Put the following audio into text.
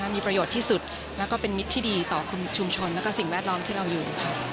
มีประโยชน์ที่สุดแล้วก็เป็นมิตรที่ดีต่อชุมชนและสิ่งแวดล้อมที่เราอยู่ค่ะ